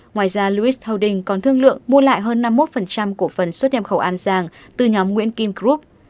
ngoài ra lewis holdings còn thương lượng mua lại hơn năm mươi một của phần xuất niêm khẩu an giang từ nhóm nguyễn kim group